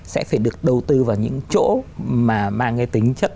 sẽ phải được đầu tư vào những chỗ mà mang cái tính chất